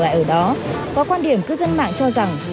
lại ở đó có quan điểm cư dân mạng cho rằng